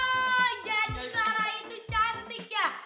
oh jadi marah itu cantik ya